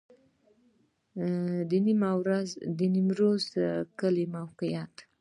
د نیمروز کلی موقعیت